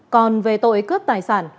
còn về tội cướp tài sản